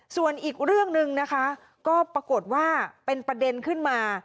ส่วนอีกเรื่องหนึ่งนะคะก็ปรากฏว่าเป็นประเด็นขึ้นมา